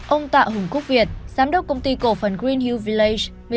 ông tạ hùng quốc việt giám đốc công ty cổ phần greenhill village